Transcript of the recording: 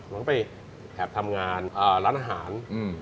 มันก็ไปแอบทำงานร้านอาหาร